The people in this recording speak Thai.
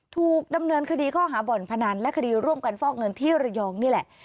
ถูกดำเนินคดีข้อหาบ่อนพนันและคดีร่วมกันฟอกเงินที่ระยองนี่แหละ